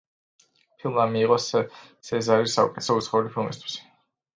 ფილმმა მიიღო სეზარი საუკეთესო უცხოური ფილმისთვის.